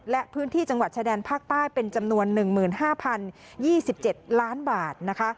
และพื้นที่จังหวัดชายแดนภาคใต้เป็นจำนวน๑๕๐๒๗ล้านบาทนะคะ